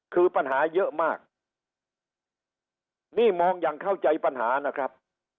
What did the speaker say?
คือปัญหาเยอะมากนี่มองอย่างเข้าใจปัญหานะครับ